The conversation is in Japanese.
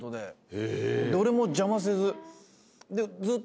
どれも邪魔せず。